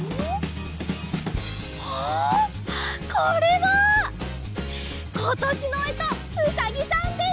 あこれはことしのえとうさぎさんです！